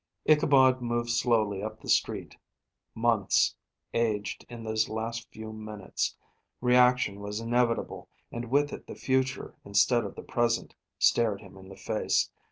Ichabod moved slowly up the street, months aged in those last few minutes. Reaction was inevitable, and with it the future instead of the present, stared him in the face.